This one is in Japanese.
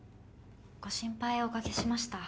ご心配おかけしました。